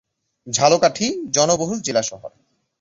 ঝালকাঠি জনবহুল জেলা শহর।